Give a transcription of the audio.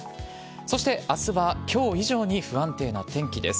そしてあすはきょう以上に不安定な天気です。